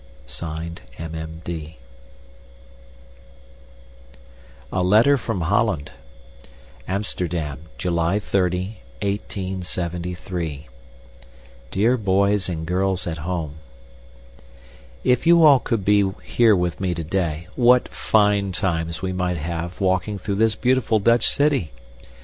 M.M.D. A LETTER FROM HOLLAND Amsterdam, July 30, 1873 DEAR BOYS AND GIRLS AT HOME: If you all could be here with me today, what fine times we might have walking through this beautiful Dutch city!